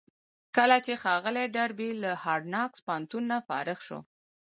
کله چې ښاغلی ډاربي له هارډ ناکس پوهنتونه فارغ شو.